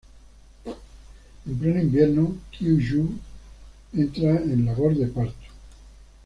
En pleno invierno, Qiu Ju entra en labor de parto.